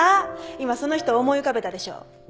今その人を思い浮かべたでしょ。